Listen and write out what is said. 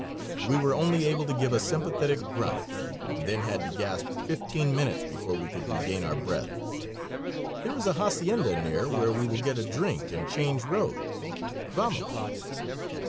We were only able to give a sympathetic grunt and then had to gasp fifteen minutes before we could regain our breath. "There is a hacienda near where we will get a drink and change roads. Vamos."